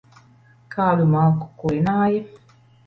Kādu malku kurināji?